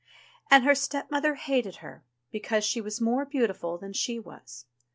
And her step mother hated her because she was more beautiful than she was.